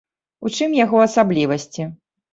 У чым яго асаблівасці?